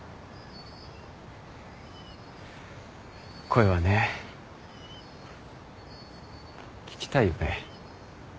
声はね聞きたいよね。